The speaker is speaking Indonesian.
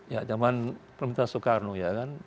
ya zaman pemerintahan soekarno ya kan